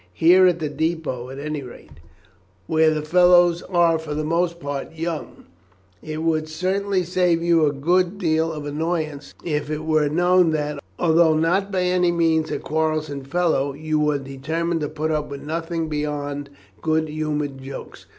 Here at the depôt at any rate, where the fellows are for the most part young, it would certainly save you a good deal of annoyance if it were known that, although not by any means a quarrelsome fellow, you were determined to put up with nothing beyond good humoured jokes.